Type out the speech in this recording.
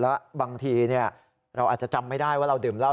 แล้วบางทีเราอาจจะจำไม่ได้ว่าเราดื่มเหล้า